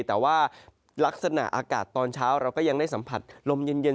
แต่ว่าลักษณะอากาศตอนเช้าเราก็ยังได้สัมผัสลมเย็น